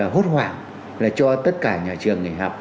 hốt hoảng là cho tất cả nhà trường nghỉ học